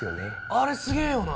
あれすげぇよな！